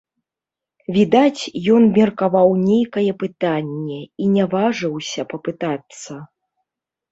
Відаць, ён меркаваў нейкае пытанне і не важыўся папытацца.